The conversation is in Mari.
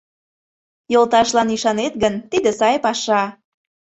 — Йолташлан ӱшанет гын, тиде сай паша.